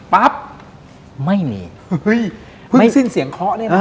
ปั๊บไม่มีเฮ้ยเฮ้ยเพิ่งสิ้นเสียงเคาะนี่แหละ